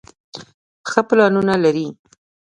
ښۀ پلانونه لري